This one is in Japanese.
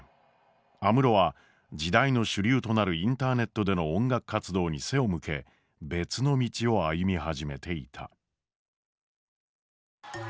安室は時代の主流となるインターネットでの音楽活動に背を向け別の道を歩み始めていた。